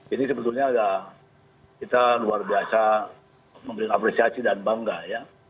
ini sebetulnya agak kita luar biasa memberikan apresiasi dan bangga ya